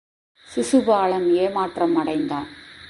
சிசுபாலன் ஏமாற்றம் அடைந்தான்.